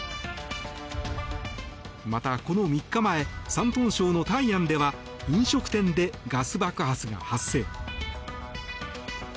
また、この３日前山東省の泰安では飲食店でガス爆発が発生。